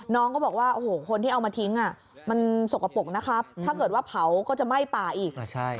น้องก็บอกว่าโอ้โหคนที่เอามาทิ้งมันสกปรกนะครับถ้าเกิดว่าเผาก็จะไหม้ป่าอีก